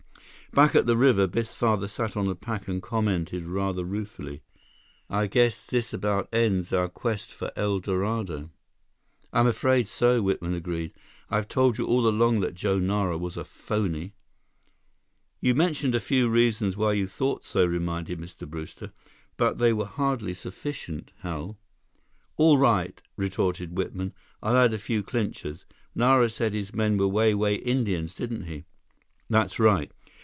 Back at the river, Biff's father sat on a pack and commented rather ruefully: "I guess this about ends our quest for El Dorado." "I'm afraid so," Whitman agreed. "I've told you all along that Joe Nara was a phony." "You mentioned a few reasons why you thought so," reminded Mr. Brewster. "But they were hardly sufficient, Hal." "All right," retorted Whitman, "I'll add a few clinchers. Nara said his men were Wai Wai Indians, didn't he?" "That's right."